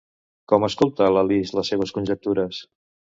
Com escolta l'Alice les seves conjectures?